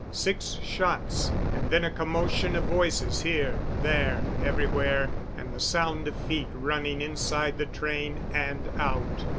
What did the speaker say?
Six shots and then a commotion of voices here, there, everywhere, and the sound of feet running inside the train and out.